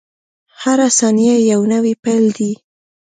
• هره ثانیه یو نوی پیل دی.